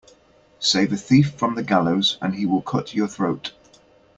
Save a thief from the gallows and he will cut your throat.